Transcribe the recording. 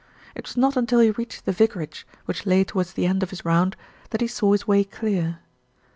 It was not until he reached the vicarage, which lay towards the end of his round, that he saw his way clear.